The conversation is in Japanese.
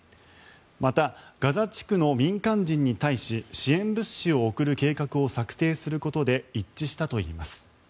また、ガザ地区の民間人に対し支援物資を送る計画を策定することで一致したといいます。